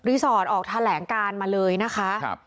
สอร์ทออกแถลงการมาเลยนะคะ